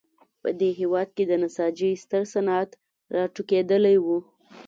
په دې هېواد کې د نساجۍ ستر صنعت راټوکېدلی و.